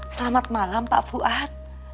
selamat malam pak fuad